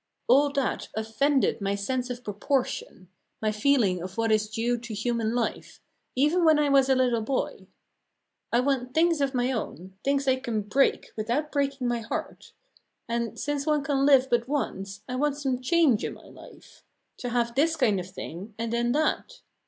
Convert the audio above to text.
All that offended my sense of proportion, my feeling of what is due to human life, even when I was a little boy. I want things of my own, things I can break without breaking my heart; and, since one can live but once, I want some change in my life to have this kind of thing and then that.